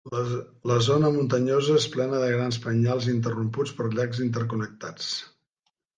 La zona muntanyosa és plena de grans penyals interromputs per llacs interconnectats.